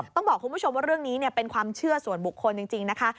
ต้องบอกคุณผู้ชมว่าเรื่องนี้เป็นความเชื่อส่วนบุคคลจริงนะคะ